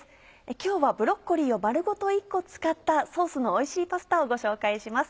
今日はブロッコリーを丸ごと１個使ったソースのおいしいパスタをご紹介します。